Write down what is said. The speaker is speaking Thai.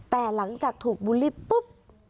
แต่หลังจากถูกบูลลี่ปุ๊บ